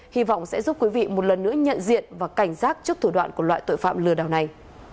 hy vọng sẽ giúp quý vị một lần nữa nhận diện và cảnh giác trước thủ đoạn của loại tội phạm lừa đảo này